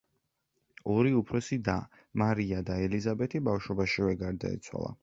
ორი უფროსი და მარია და ელიზაბეთი ბავშვობაშივე გარდაეცვალა.